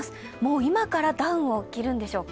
今からダウンを着るんでしょうか。